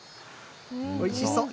おいしそう。